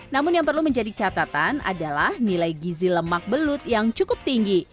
namun yang perlu menjadi catatan adalah nilai gizi lemak belut yang cukup tinggi